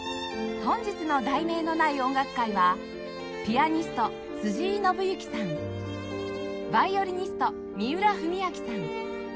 本日の『題名のない音楽会』はピアニスト辻井伸行さんヴァイオリニスト三浦文彰さん